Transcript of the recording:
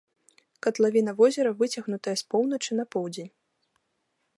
Катлавіна возера выцягнутая з поўначы на поўдзень.